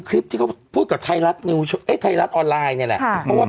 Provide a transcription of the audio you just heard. คลิปที่เขาพูดกับไทยรัฐนิวไทยรัฐออนไลน์เนี่ยแหละเพราะว่า